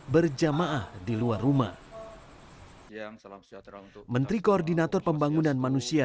berjamaah di luar rumah yang salam sejahtera untuk menteri koordinator pembangunan manusia